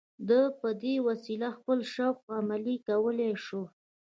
ده په دې وسیله خپل شوق عملي کولای شو